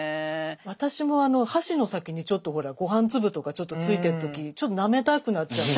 私も箸の先にちょっとほらご飯粒とかちょっとついてる時ちょっとなめたくなっちゃう。